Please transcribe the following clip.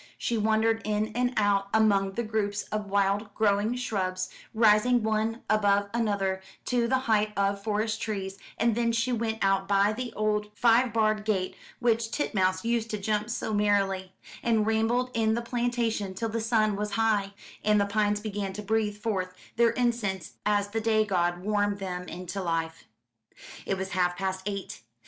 She wandered in and out among the groups of wild growing shrubs, rising one above another to the height of forest trees, and then she went out by the old five barred gate which Titmouse used to jump so merrily, and rambled in the plantation till the sun was high, and the pines began to breathe forth their incense as the day god warmed them into life. It was half past eight.